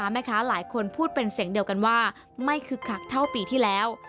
ไม่คือขักเท่าปีที่แล้ว